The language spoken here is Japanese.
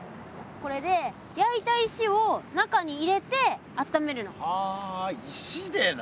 これで焼いた石を中に入れてあっためるの。は石でな。